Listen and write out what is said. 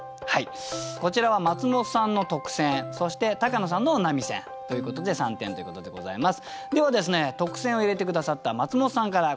こちらは松本さんの特選そして高野さんの並選ということで３点ということでございます。